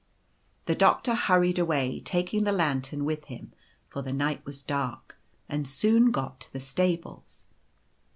c< The Doctor hurried away, taking the lantern with him, for the night was dark, and soon got to the Stables.